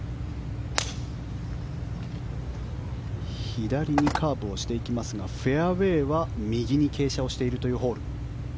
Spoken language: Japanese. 左にカーブをしていきますがフェアウェーは右に傾斜をしているというホール。